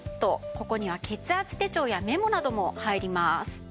ここには血圧手帳やメモなども入ります。